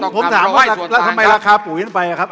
ผมถามว่าแล้วทำไมราคาปุ๋ยขึ้นไปอะครับ